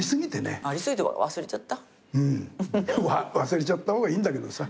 忘れちゃった方がいいんだけどさ。